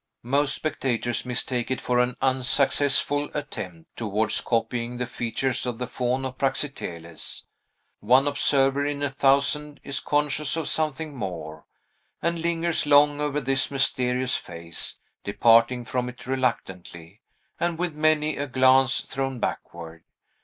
Most spectators mistake it for an unsuccessful attempt towards copying the features of the Faun of Praxiteles. One observer in a thousand is conscious of something more, and lingers long over this mysterious face, departing from it reluctantly, and with many a glance thrown backward.